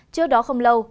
trước đó không lâu